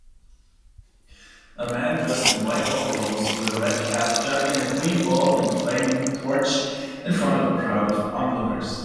A man dressed in white overalls with a red cap juggling a green ball and flaming torch in front of a crowd of onlookers